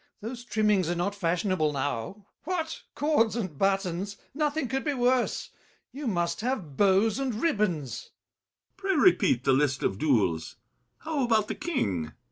Those trimmings are not fashionable now. What! cords and buttons? Nothing could be worse. You must have bows and ribbons. BRICHANTEAU. Pray repeat The list of duels. How about the King?